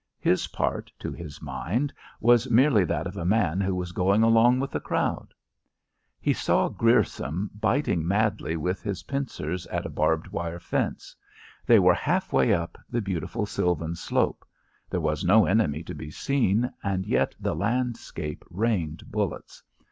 His part, to his mind, was merely that of a man who was going along with the crowd. He saw Grierson biting madly with his pincers at a barbed wire fence. They were half way up the beautiful sylvan slope; there was no enemy to be seen, and yet the landscape rained bullets.